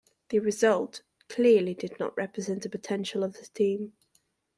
The results clearly did not represent the potential of the team.